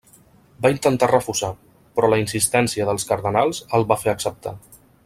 Va intentar refusar, però la insistència dels cardenals el va fer acceptar.